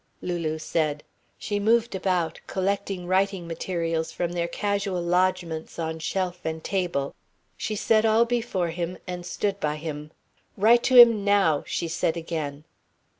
Lulu said. She moved about, collecting writing materials from their casual lodgments on shelf and table. She set all before him and stood by him. "Write to him now," she said again.